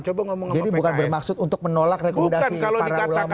jadi bukan bermaksud untuk menolak rekomendasi para ulama itu tadi ya